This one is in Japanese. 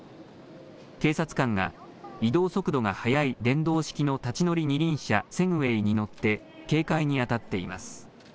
警察官が移動速度が速い電動式の立ち乗り二輪車、セグウェイに乗って警戒にあたっています。